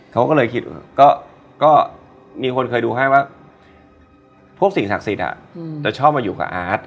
เขาก็เลยคิดว่าก็มีคนเคยดูให้ว่าพวกสิ่งศักดิ์สิทธิ์จะชอบมาอยู่กับอาร์ต